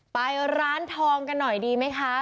ไปร้านทองกันหน่อยดีไหมคะ